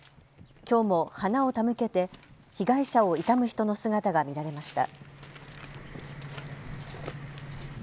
きょうも花を手向けて被害者を悼む人の姿が見られました。